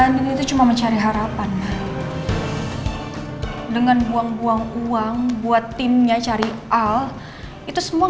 ngelak di situ